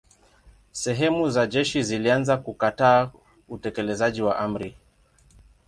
Sehemu za jeshi zilianza kukataa utekelezaji wa amri.